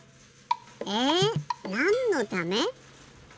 えなんのため？